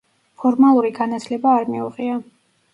ფორმალური განათლება არ მიუღია.